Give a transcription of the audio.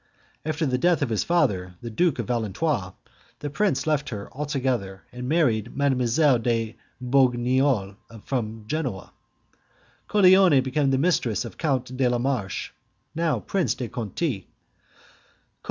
After the death of his father, the Duke of Valentinois, the prince left her altogether and married Mlle. de Brignole, from Genoa. Coraline became the mistress of Count de la Marche, now Prince de Conti.